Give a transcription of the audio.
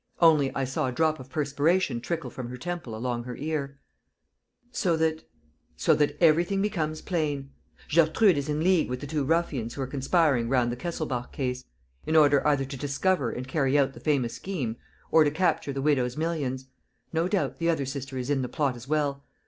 Only, I saw a drop of perspiration trickle from her temple along her ear." "So that ...? "So that everything becomes plain. Gertrude is in league with the two ruffians who are conspiring round the Kesselbach case, in order either to discover and carry out the famous scheme, or to capture the widow's millions. No doubt, the other sister is in the plot as well.